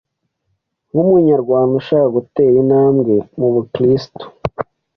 nk’Umunyarwanda ushaka gutera intambwe mu bukristu